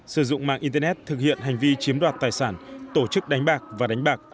sử dụng mạng internet thực hiện hành vi chiếm đoạt tài sản tổ chức đánh bạc và đánh bạc